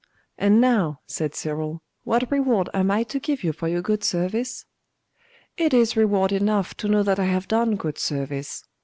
'And now' said Cyril, 'what reward am I to give you for your good service?' 'It is reward enough to know that I have done good service.